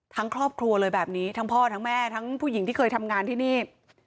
ครอบครัวเลยแบบนี้ทั้งพ่อทั้งแม่ทั้งผู้หญิงที่เคยทำงานที่นี่